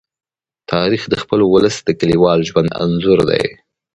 تاریخ د خپل ولس د کلیوال ژوند انځور دی.